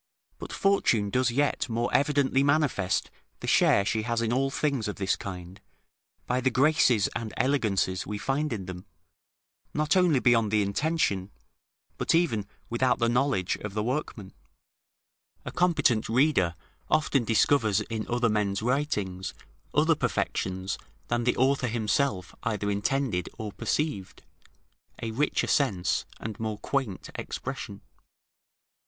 But Fortune does yet more evidently manifest the share she has in all things of this kind, by the graces and elegances we find in them, not only beyond the intention, but even without the knowledge of the workman: a competent reader often discovers in other men's writings other perfections than the author himself either intended or perceived, a richer sense and more quaint expression.